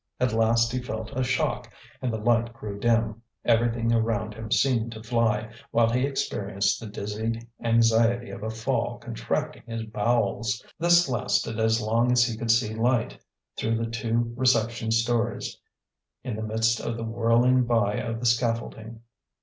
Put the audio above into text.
At last he felt a shock, and the light grew dim, everything around him seemed to fly, while he experienced the dizzy anxiety of a fall contracting his bowels. This lasted as long as he could see light, through the two reception stories, in the midst of the whirling by of the scaffolding.